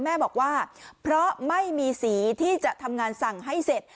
แม่บอกว่าเพราะไม่มีสีที่จะทำงานสั่งให้เสร็จ